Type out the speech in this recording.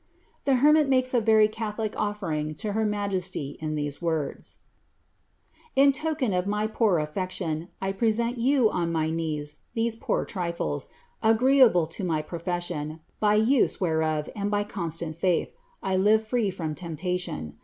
The hermit makes a very catholic offering to her majesty in these words :•* In token of my poor affection, I present you, on my knees, these poor trifles, a^rvcttble to my profession, by use whereof and by constant faith, I live free from temptation.